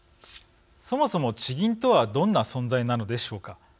そもそも地銀とはどんな存在なのでしょうか。